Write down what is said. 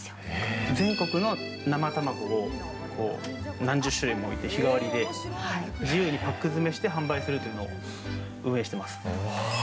全国の生卵を何十種類も集めて日替わりで自由にパック詰めして販売するというのをしています。